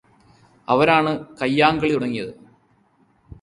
അവരാണ് കയ്യാങ്കളി തുടങ്ങിയത്